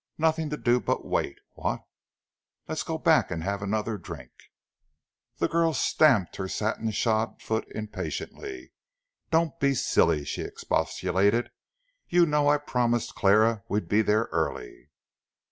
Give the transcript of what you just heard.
Nothing to do but wait, what? Let's go back and have another drink." The girl stamped her satin shod foot impatiently. "Don't be silly," she expostulated. "You know I promised Clara we'd be there early."